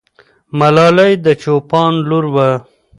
ملالۍ د چوپان لور وه.